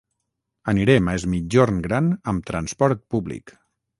Anirem a Es Migjorn Gran amb transport públic.